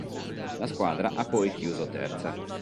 La squadra ha poi chiuso terza.